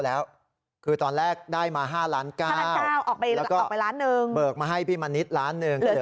แล้วก็เบิกไปอีก๒ล้าน